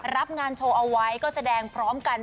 รับงานโชว์เอาไว้ก็แสดงพร้อมกัน